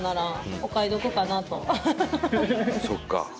そっか。